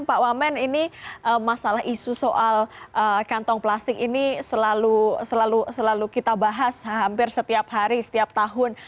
pak wamen ini masalah isu soal kantong plastik ini selalu kita bahas hampir setiap hari setiap tahun